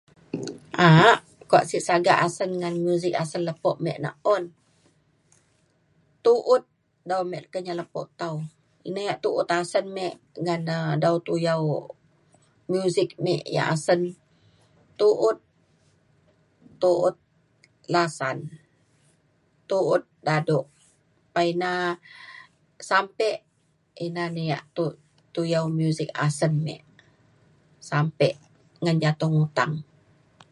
a’ak kuak sek sagak asen ngan muzik asen lepo me na un tu’ut dau me Kenyah Lepo Tau. ina yak tu’ut asen me ngan um dau tuyau muzik me yak asen tu’ut tu’ut lasan tu’ut dado. pa ina sampe ina na yak tu- tuyau muzik asen me sampe ngan jatung utang.